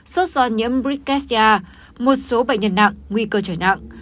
sốt do nhiễm briccastia một số bệnh nhân nặng nguy cơ trở nặng